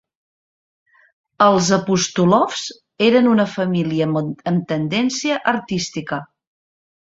Els Apostolofs eren una família amb tendència artística.